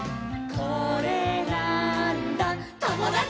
「これなーんだ『ともだち！』」